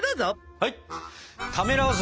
はい。